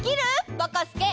ぼこすけ。